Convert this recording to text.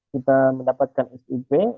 kita mendapatkan sip